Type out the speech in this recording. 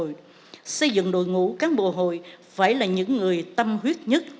rồi xây dựng đội ngũ cán bộ hội phải là những người tâm huyết nhất